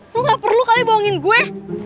lo gak perlu kali bohongin gue